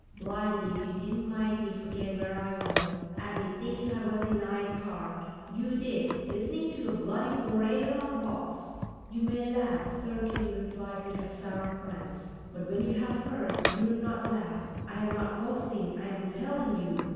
"Bli'me if you didn't mike me forget where I was—'ad me thinking I was in 'Yde Park, you did, listening to a bloody horator on a box." "You may laugh," Thirteen replied with a sour glance; "but when you have heard, you will not laugh. I am not boasting—I am telling you."